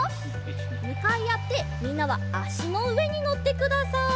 むかいあってみんなはあしのうえにのってください。